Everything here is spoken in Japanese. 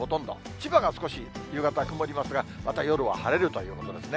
千葉が少し夕方、曇りますが、また夜は晴れるということですね。